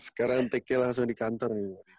sekarang take nya langsung di kantor